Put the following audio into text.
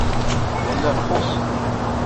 Nella nxuṣṣ.